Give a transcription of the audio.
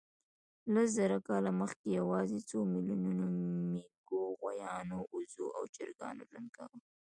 لس زره کاله مخکې یواځې څو میلیونو مېږو، غویانو، اوزو او چرګانو ژوند کاوه.